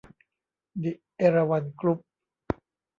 ดิ เอราวัณ กรุ๊ป